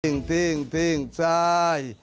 ติ่งติ่งติ่งจ่าย